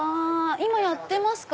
今やってますか？